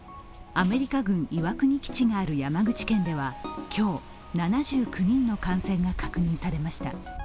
アメリカ軍岩国基地がある山口県では、今日７９人の感染が確認されました。